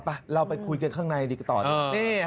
ไปเราไปคุยกันข้างในดีกว่าตอนนี้